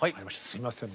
すいません